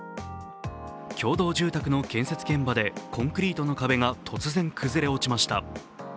共同住宅の建設現場でコンクリートの壁が突然、崩れ落ちました。